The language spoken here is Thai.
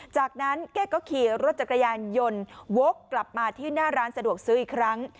จากนั้นแกก็ขี่รถจักรยานยนต์วกกลับมาที่หน้าร้านสะดวกซื้ออีกครั้ง